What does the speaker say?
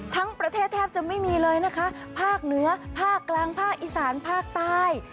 ทั้งประเทศแทบจะไม่มีเลยนะคะภาคเหนือภาคกลางภาคอีสานภาคใต้